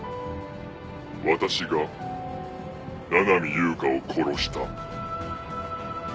私が七海悠香を殺した。